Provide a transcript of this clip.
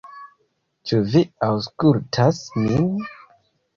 "Ĉu vi aŭskultas min?"